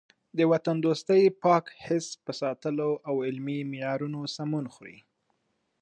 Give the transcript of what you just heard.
د وطن دوستۍ پاک حس په ساتلو او علمي معیارونو سمون خوري.